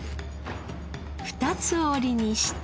二つ折りにして。